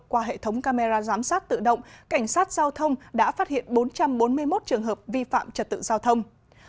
qua hệ thống camera giám sát tự động cảnh sát giao thông đã phát hiện bốn trăm bốn mươi một trường hợp vi phạm trật tự giao thông